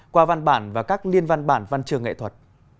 qua văn bản và các liên văn bản văn trường nghệ thuật